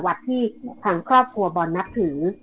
ที่ทางครอบครัวบอลนับถือ